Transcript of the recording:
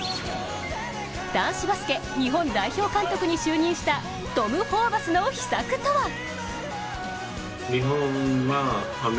男子バスケ、日本代表監督に就任したトム・ホーバスの秘策とは！？